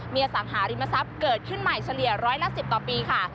มีอสังหาริมทรัพย์เกิดขึ้นใหม่เฉลี่ยร้อยละ๑๐ต่อปีค่ะ